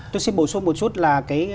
tôi xin bổ sung một chút là